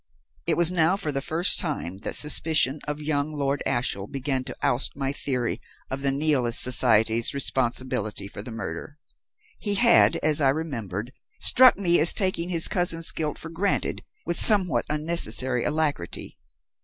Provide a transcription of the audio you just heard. "It was now for the first time that suspicion of young Lord Ashiel began to oust my theory of the Nihilist society's responsibility for the murder. He had, as I remembered, struck me as taking his cousin's guilt for granted with somewhat unnecessary alacrity.